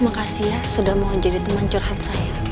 makasih ya sudah mau jadi teman curhat saya